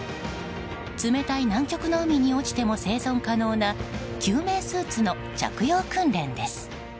冷たい南極の海に落ちても生存可能な救命スーツの着用訓練です。